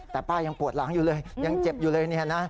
แต่ป้ายังปวดหลังอยู่เลยยังเจ็บอยู่เลยเนี่ยนะ